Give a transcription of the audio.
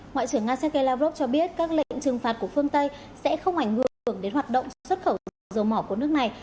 ngoại trưởng nga sergei lavrov cho biết các lệnh trừng phạt của phương tây sẽ không ảnh hưởng đến hoạt động xuất khẩu dầu mỏ của nước này